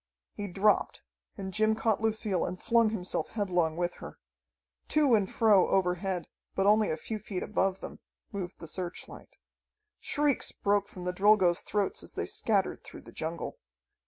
He dropped, and Jim caught Lucille and flung himself headlong with her. To and fro overhead, but only a few feet above them, moved the searchlight. Shrieks broke from the Drilgoes' throats as they scattered through the jungle.